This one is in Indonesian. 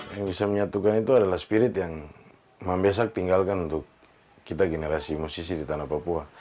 yang bisa menyatukan itu adalah spirit yang membesak tinggalkan untuk kita generasi musisi di tanah papua